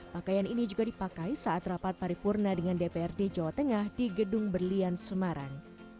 pakaian ini juga dipakai saat rapat paripurna dengan dprd jawa tengah di gedung berlian semarang